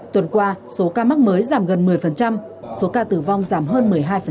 tuần qua số ca mắc mới giảm gần một mươi số ca tử vong giảm hơn một mươi hai